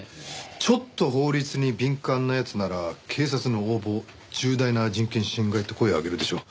ちょっと法律に敏感な奴なら警察の横暴重大な人権侵害って声上げるでしょう。